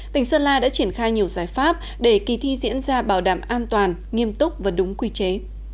tỉnh sơn la đã triển khai nhiều giải pháp để kỳ thi diễn ra bảo đảm an toàn nghiêm túc và đúng quy chế